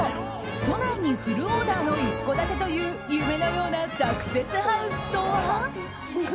都内にフルオーダーの一戸建てという夢のようなサクセスハウスとは？